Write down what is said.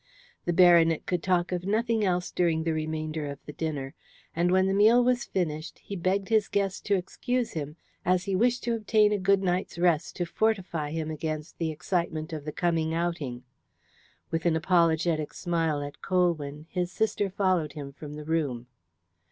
The baronet could talk of nothing else during the remainder of the dinner, and when the meal was finished he begged his guest to excuse him as he wished to obtain a good night's rest to fortify him against the excitement of the coming outing. With an apologetic smile at Colwyn his sister followed him from the room.